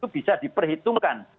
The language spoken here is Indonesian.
itu bisa diperhitungkan